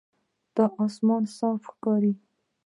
دا آسمان صاف ښکاري.